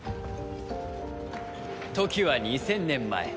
時は２０００年前。